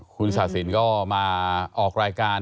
คุณศาสินก็มาออกรายการ